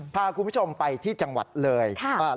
พาคุณผู้ชมไปจังหวัดเผยา